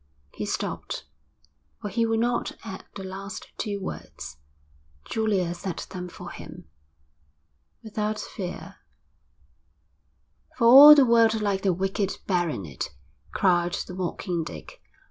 He stopped, for he would not add the last two words. Julia said them for him. 'Without fear.' 'For all the world like the wicked baronet,' cried the mocking Dick.